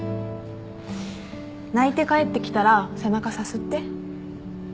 泣いて帰ってきたら背中さすって。